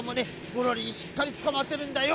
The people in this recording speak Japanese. ゴロリにしっかりつかまってるんだよ。